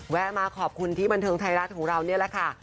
มาขอบคุณที่บันเทิงไทยรัฐของเรานี่แหละค่ะ